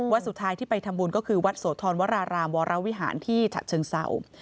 สุดท้ายที่ไปทำบุญก็คือวัดโสธรวรารามวรวิหารที่ฉะเชิงเศร้า